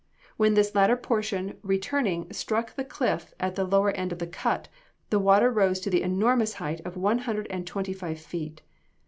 When this latter portion returning struck the cliff at the lower end of the cut, the water rose to the enormous height of one hundred and twenty five feet.